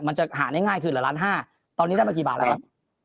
มันจะหาได้ง่ายคือเหลือ๑๕ล้านตอนนี้ได้มากี่บาทแล้วครับ